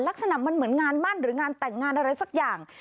ลักษณะมันเหมือนงานมั่นหรืองานแต่งงานอะไรสักอย่าง